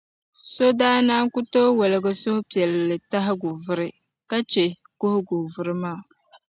So daa naan ku tooi woligi suhupiɛlli tahigu vuri ka chɛ kuhigu vuri maa.